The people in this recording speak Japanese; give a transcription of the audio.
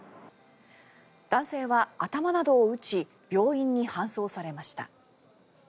男性は、頭などを打ち病院に搬送されました。